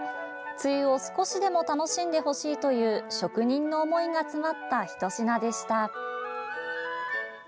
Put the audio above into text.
梅雨を少しでも楽しんでほしいという職人の思いが詰まった一品でした。